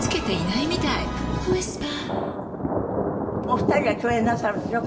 お二人は共演なさるんでしょ？